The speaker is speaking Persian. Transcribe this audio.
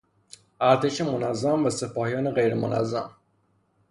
ارتش منظم و سپاهیان غیر منظم